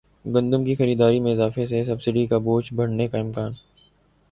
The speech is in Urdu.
گندم کی خریداری میں اضافے سے سبسڈی کا بوجھ بڑھنے کا امکان